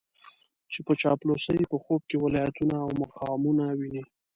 چې په چاپلوسۍ په خوب کې ولايتونه او مقامونه ويني.